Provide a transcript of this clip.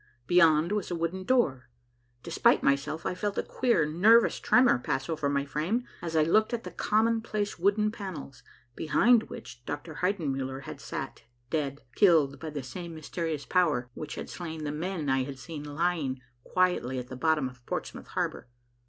Beyond was a wooden door. Despite myself, I felt a queer, nervous tremor pass over my frame, as I looked at the commonplace wooden panels, behind which Dr. Heidenmuller had sat dead, killed by the same mysterious power which had slain the men I had seen lying quietly at the bottom of Portsmouth Harbor.